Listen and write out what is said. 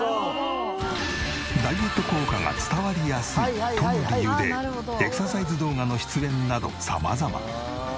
ダイエット効果が伝わりやすいとの理由でエクササイズ動画の出演など様々。